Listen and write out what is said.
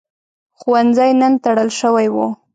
ښوونځی نن تړل شوی و.